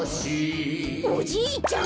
おじいちゃん